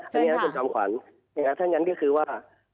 เชิญค่ะถ้างั้นก็คือว่า